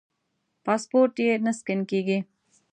پاسپورټ یې نه سکېن کېږي.